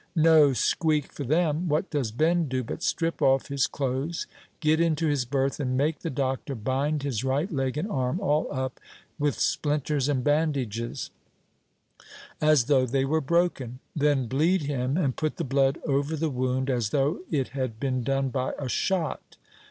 No squeak for them. What does Ben do but strip off his clothes, get into his berth, and make the doctor bind his right leg and arm all up with splinters and bandages, as though they were broken, then bleed him, and put the blood over the wound, as though it had been done by a shot!